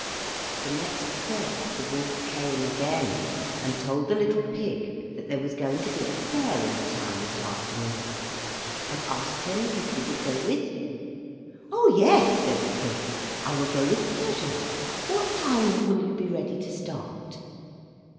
The next day the wolf came again, and told the little pig that there was going to be a fair in the town that afternoon, and asked him if he would go with him. "Oh! yes," said the pig, "I will go with pleasure. What time will you be ready to start?"